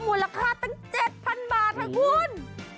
มูลค่าตั้ง๗๐๐บาทค่ะคุณ